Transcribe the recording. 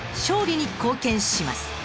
勝利に貢献します。